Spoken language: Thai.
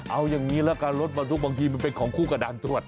เอาอย่างนี้ละกันรถบรรทุกบางทีมันเป็นของคู่กับด่านตรวจ